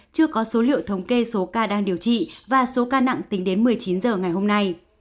chưa có số liệu thống kê số ca đang điều trị và số ca nặng tính đến một mươi chín h ngày hôm nay